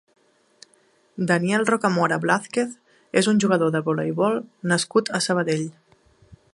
Daniel Rocamora Blázquez és un jugador de voleibol nascut a Sabadell.